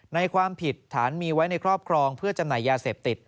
ความผิดฐานมีไว้ในครอบครองเพื่อจำหน่ายยาเสพติด